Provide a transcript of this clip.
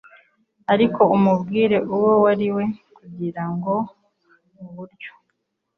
Ariko umubwire uwo wariwe kugirango muburyo